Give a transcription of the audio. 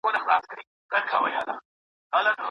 په هره څېړنیزه مقاله کي د کره کتني برخه هم شتون لري.